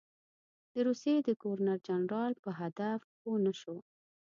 د روسیې د ګورنر جنرال په هدف پوه نه شو.